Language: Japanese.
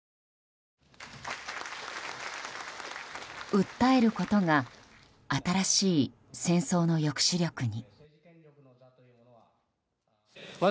訴えることが新しい戦争の抑止力に。